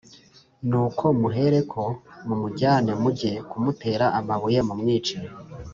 Nuko muhereko mumujyane, mujye kumutera amabuye mumwice”